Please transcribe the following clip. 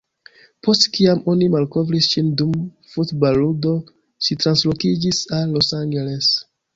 Post kiam oni malkovris ŝin dum futbal-ludo, ŝi translokiĝis al Los Angeles.